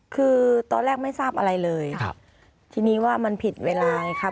คือตอนแรกไม่ทราบอะไรเลยครับทีนี้ว่ามันผิดเวลาไงครับ